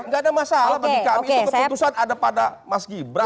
gak ada masalah keputusan ada pada mas gibran